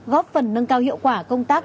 góp phần nâng cao hiệu quả công tác